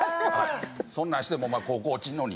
「そんなんしてもお前高校落ちるのに」。